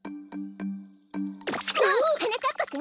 はなかっぱくん！